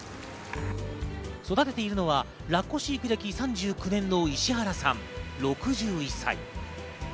育てているのはラッコ飼育歴３９年の石原さん、６１歳。